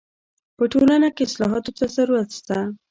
په ټولنه کي اصلاحاتو ته ضرورت سته.